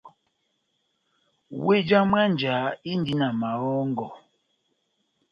Wéh já mwánja indi na mahɔ́ngɔ.